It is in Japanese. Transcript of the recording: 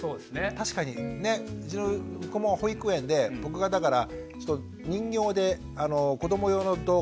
確かにねうちの子も保育園で僕がだから人形で子ども用の動画